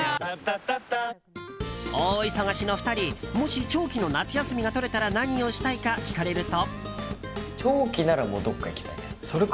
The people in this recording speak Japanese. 大忙しな２人にもし長期の夏休みが取れたら何をしたいか聞かれると。